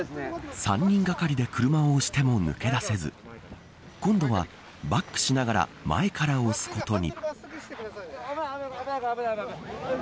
３人がかりで車を押しても抜け出せず今度はバックしながら前から押すことに。